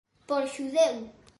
Por xudeu!